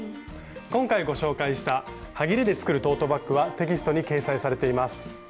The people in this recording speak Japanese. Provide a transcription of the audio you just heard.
今回ご紹介したはぎれで作るトートバッグはテキストに掲載されています。